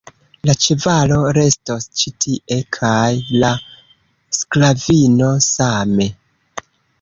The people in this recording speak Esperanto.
La ĉevalo restos ĉi tie, kaj la sklavino same.